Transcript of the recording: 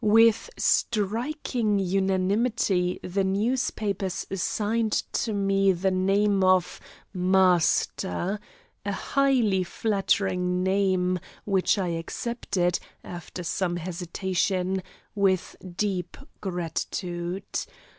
With striking unanimity the newspapers assigned to me the name of "Master," a highly flattering name, which I accepted, after some hesitation, with deep gratitude.